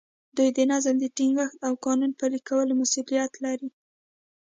دوی د نظم د ټینګښت او قانون پلي کولو مسوولیت لري.